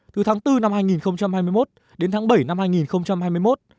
từ tháng bốn năm hai nghìn hai mươi một đến tháng bảy năm hai nghìn hai mươi một